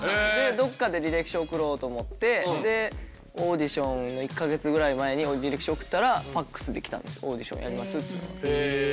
どこかで履歴書送ろうと思ってオーディションの１カ月ぐらい前に履歴書送ったらファクスで来たんですオーディションをやりますっていうのが。